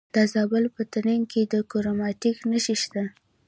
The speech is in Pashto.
د زابل په ترنک کې د کرومایټ نښې شته.